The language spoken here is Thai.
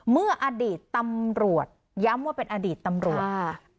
เมื่ออดีตตำรวจย้ำว่าเป็นอดีตตำรวจค่ะ